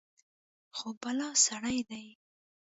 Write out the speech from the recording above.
خو بلا سړى دى.